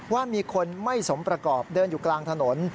ว่ามีคนไม่สมประกอบเดินอยู่กลางถนน